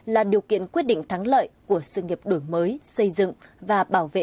là điều kiện quyết định thắng lợi của sự nghiệp đổi mới xây dựng và bảo vệ